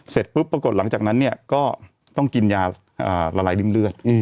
เสร็จปุ๊บปรากฏหลังจากนั้นเนี่ยก็ต้องกินยาละลายริ่มเลือด